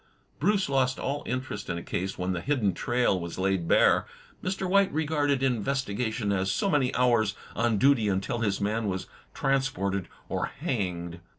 Bruce lost all interest in a case when the hidden trail was laid bare. Mr. White regarded investigation as so many hours on duty until his man was transported or hanged.